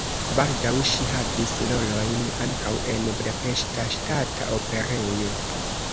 Baldaŭ ŝi havis rolojn ankaŭ en Budapeŝta Ŝtata Operejo.